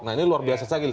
nah ini luar biasa sekali